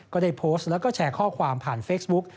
ก็ได้โพสต์แล้วก็แชร์ข้อความผ่านเฟซบุ๊ก